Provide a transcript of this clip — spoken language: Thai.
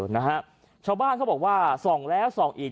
นะฮะชาวบ้านเขาบอกว่าส่องแล้วส่องอีก